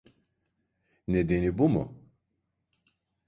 Nedeni bu mu?